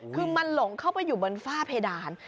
คือมันหลงเข้าไปอยู่บนฝ้าเพดาน